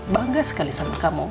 bangga sekali sama kamu